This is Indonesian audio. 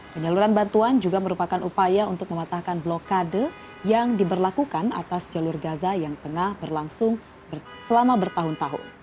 penyaluran bantuan juga merupakan upaya untuk mematahkan blokade yang diberlakukan atas jalur gaza yang tengah berlangsung selama bertahun tahun